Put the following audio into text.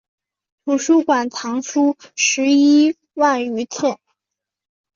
图书馆藏书十一万余册。